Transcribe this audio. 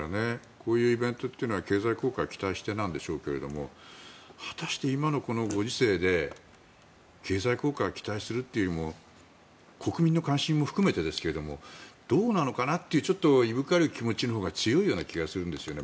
こういうイベントというのは経済効果を期待してなんでしょうけど果たして今のこのご時世で経済効果に期待するって国民の関心も含めてですがどうなのかな？といういぶかる気持ちのほうが強いと思うんですよね。